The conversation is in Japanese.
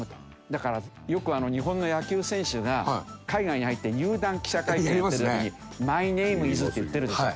だからよく日本の野球選手が海外に入って入団記者会見やってる時に「Ｍｙｎａｍｅｉｓ」って言ってるでしょ。